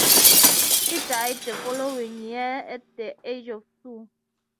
He died the following year at the age of two.